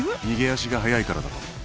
逃げ足が速いからだと思う。